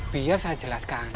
biar saya jelaskan